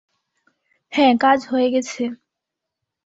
হ্যাঁ, কাজ হয়ে গেছে।